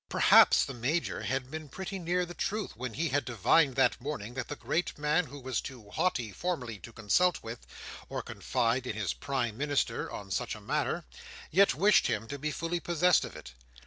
Perhaps the Major had been pretty near the truth, when he had divined that morning that the great man who was too haughty formally to consult with, or confide in his prime minister, on such a matter, yet wished him to be fully possessed of it.